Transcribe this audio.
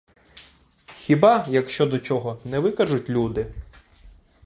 Хіба, як що до чого, не викажуть люди?